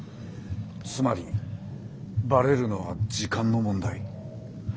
つまりバレるのは時間の問題。